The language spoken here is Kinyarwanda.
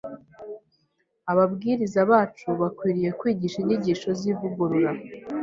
Ababwiriza bacu bakwiriye kwigisha inyigisho z’ivugurura